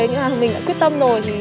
nhưng mà mình đã quyết tâm rồi